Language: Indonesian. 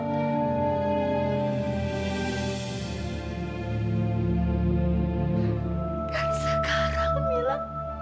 dan sekarang mila